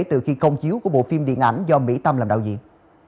từ khi công chiếu của bộ phim điện ảnh do mỹ tâm làm đạo diễn